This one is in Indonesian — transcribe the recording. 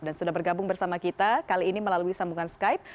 dan sudah bergabung bersama kita kali ini melalui sambungan skype